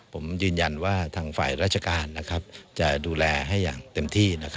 ผมยืนยันว่าทางฝ่ายราชการจะดูแลให้อย่างเต็มที่